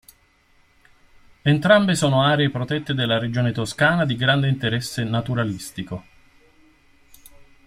Entrambe sono aree protette della Regione Toscana di grande interesse naturalistico.